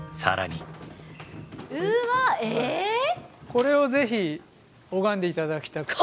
これをぜひ拝んで頂きたくて。